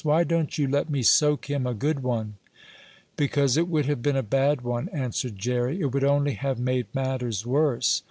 "Why don't you let me soak him a good one?" "Because it would have been a bad one," answered Jerry. "It would only have made matters worse.